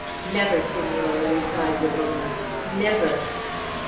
"Never, Senora," replied Ramona; "never!"